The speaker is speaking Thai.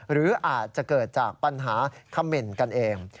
หรืออาจจะเกิดจากปัญหาเขม่นกันเอง